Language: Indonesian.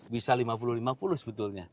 bisa lima puluh lima puluh sebetulnya